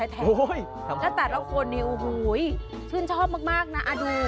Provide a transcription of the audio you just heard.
แต่แต่ละคนชื่นชอบมากนะ